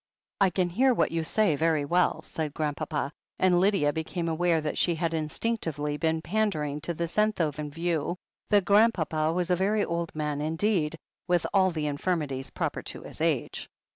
I can hear what you say very well," said Grandpapa, and Lydia became aware that she had instinctively been pandering to the Senthoven view that Grandpapa was a very old man indeed, with all the infirmities proper to his age.